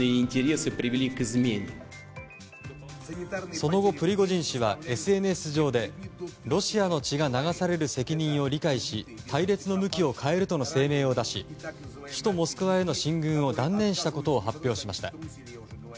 その後、プリゴジン氏はＳＮＳ上でロシアの血が流される責任を理解し隊列の向きを変えるとの声明を出し首都モスクワへの進軍を断念したことを発表しました。